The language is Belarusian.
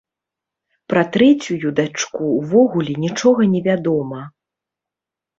Пра трэцюю дачку ўвогуле нічога невядома.